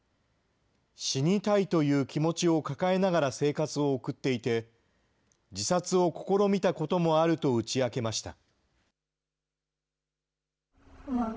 死にたいという気持ちを抱えながら生活を送っていて、自殺を試みたこともあると打ち明けました。